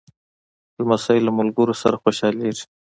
لمسی له ملګرو سره خوشحالېږي.